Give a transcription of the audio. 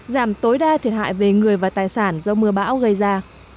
giảm tối đa thiệt hại về người và tài sản do mưa bão gây ra